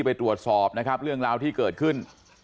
ไปตรวจสอบนะครับเรื่องราวที่เกิดขึ้น